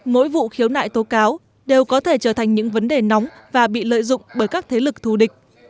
mỗi vụ khiếu nại tố cáo đều có thể trở thành những vấn đề nóng và bị lợi dụng bởi các thế lực thù địch